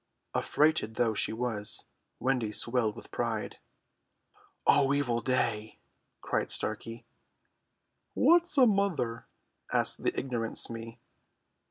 Affrighted though she was, Wendy swelled with pride. "O evil day!" cried Starkey. "What's a mother?" asked the ignorant Smee.